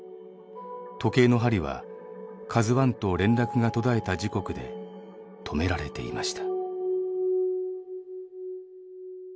時計の針はＫＡＺＵⅠと連絡が途絶えた時刻で止められていました。